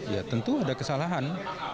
ya tentu ada kesalahan